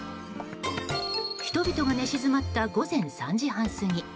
人々が寝静まった午前３時半過ぎ